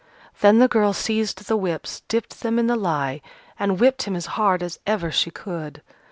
Then the girl seized the whips, dipped them in the lye, and whipped him as hard as ever she could.